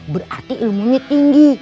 berarti ilmunya tinggi